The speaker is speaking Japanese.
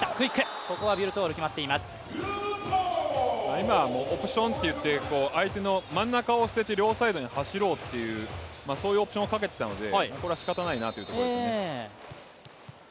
今はオプションといって、相手の真ん中を捨てて両サイドに走ろうというオプションをかけていたのでこれは、しかたないなというところですね。